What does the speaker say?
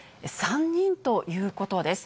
３人ということです。